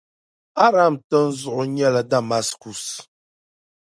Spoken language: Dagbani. Aram tinzuɣu nyɛla Damaskus.